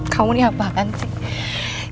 kamu nih apaan sih